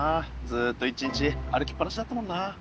ずっと１日歩きっぱなしだったもんな。